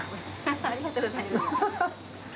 ありがとうございます。